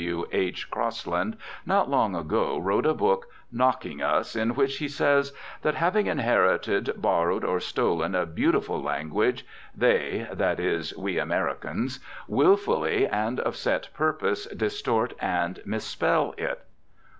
W. H. Crosland, not long ago wrote a book "knocking" us, in which he says "that having inherited, borrowed or stolen a beautiful language, they (that is, we Americans) wilfully and of set purpose distort and misspell it."